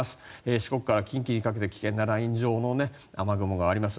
四国から近畿にかけて危険なライン状の雨雲があります。